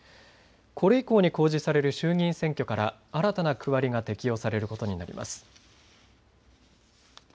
これ以降に公示される衆議院選挙から新たな区割りが適用されることになります。